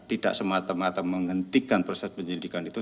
tidak semata mata menghentikan proses penyelidikan itu